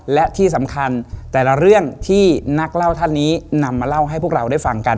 และที่สำคัญแต่ละเรื่องที่นักเล่าท่านนี้นำมาเล่าให้พวกเราได้ฟังกัน